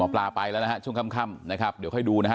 ปลาไปแล้วนะฮะช่วงค่ำนะครับเดี๋ยวค่อยดูนะฮะ